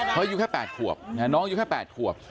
เธอยังอยู่แค่๘ขวบน้องอยู่แค่๘ขวบ